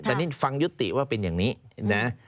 แต่นี่ฟังยุติว่าเป็นอย่างนี้นะ